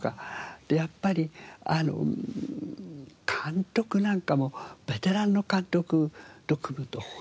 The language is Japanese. でやっぱり監督なんかもベテランの監督と組むと本当大変ですから。